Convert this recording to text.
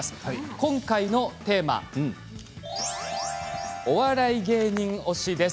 今回のテーマはお笑い芸人推しです。